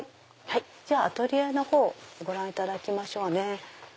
じゃあアトリエのほうご覧いただきましょうね。